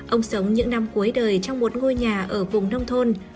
ông sống những năm cuối đời trong một ngôi nhà ở vùng nông thôn